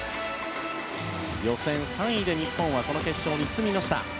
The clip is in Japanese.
予選３位で日本はこの決勝に進みました。